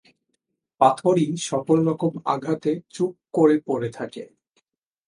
পাথরই সকল রকম আঘাতে চুপ করে পড়ে থাকে।